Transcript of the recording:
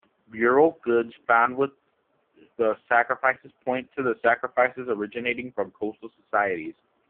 Burial goods found with the sacrifices point to the sacrifices originating from coastal societies.